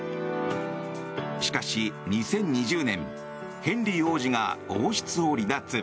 しかし、２０２０年ヘンリー王子が王室を離脱。